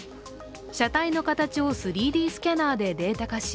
車体の形を３Ｄスキャナーでデータ化し